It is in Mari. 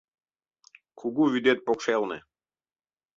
Кугу вӱдет покшелне